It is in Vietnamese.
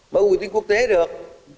mới ủi tính quốc tế được